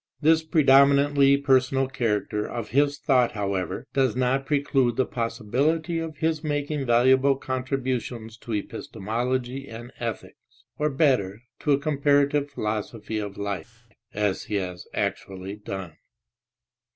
This predominantly personal character of his thought however does not pre clude the possibility of his making valuable contributions to epistemology and ethics (or better, to a comparative philosophy of life) as he has actually done.